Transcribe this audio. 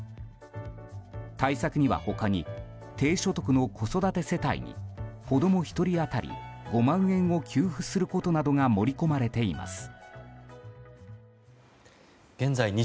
対策には他に低所得の子育て世帯に子供１人当たり５万円を給付することなどが盛り込まれています。